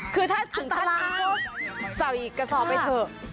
คือถ้าถึงครั้งนี้ปุ๊บเช่าอีกก็สอบไปเถอะ